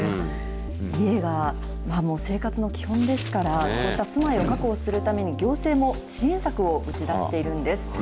家が、生活の基本ですから、こうした住まいを確保するために行政も支援策を打ち出しているんです。